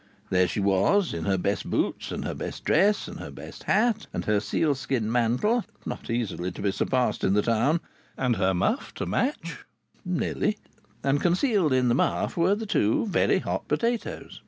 There she was, in her best boots, and her best dress, and her best hat, and her sealskin mantle (not easily to be surpassed in the town), and her muff to match (nearly), and concealed in the muff were the two very hot potatoes.